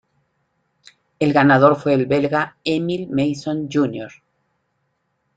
El ganador fue el belga Émile Masson Jr..